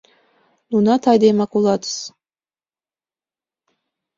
Нунат айдемак улытыс.